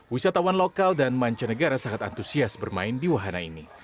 wisatawan lokal dan mancanegara sangat antusias bermain di wahana ini